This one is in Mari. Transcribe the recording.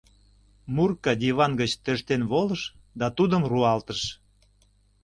Мурка диван гыч тӧрштен волыш да тудым руалтыш.